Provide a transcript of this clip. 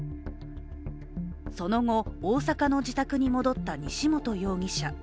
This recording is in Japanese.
その後、大阪の自宅に戻った西本容疑者。